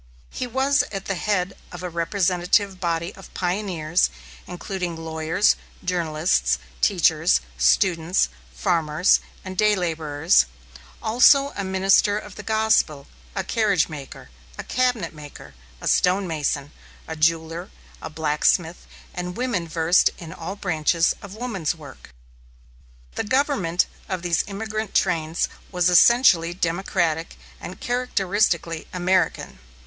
He was at the head of a representative body of pioneers, including lawyers, journalists, teachers, students, farmers, and day laborers, also a minister of the gospel, a carriage maker, a cabinet maker, a stonemason, a jeweller, a blacksmith, and women versed in all branches of woman's work. The government of these emigrant trains was essentially democratic and characteristically American.